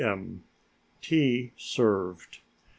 M. Tea served.